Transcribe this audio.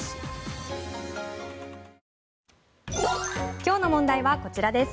今日の問題はこちらです。